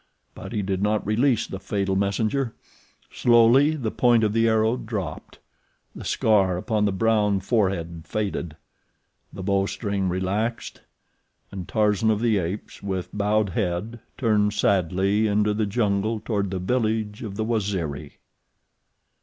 But he did not release the fatal messenger. Slowly the point of the arrow drooped; the scar upon the brown forehead faded; the bowstring relaxed; and Tarzan of the Apes, with bowed head, turned sadly into the jungle toward the village of the Waziri.